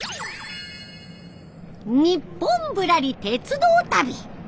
「ニッポンぶらり鉄道旅」。